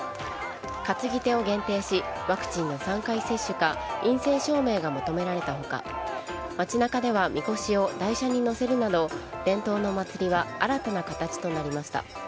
担ぎ手を限定しワクチンの３回接種か陰性証明が求められた他街中ではみこしを台車に載せるなど伝統の祭りは新たな形となりました。